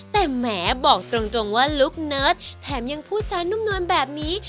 แต่แหมบอกตรงว่าลุคเนิร์ดแถมยังพูดจานุ่มนวลแบบนี้